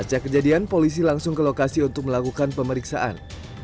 pasca kejadian polisi langsung ke lokasi untuk melakukan pemeriksaan